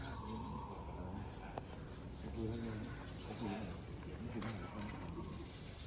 ผมไม่กล้าด้วยผมไม่กล้าด้วยผมไม่กล้าด้วย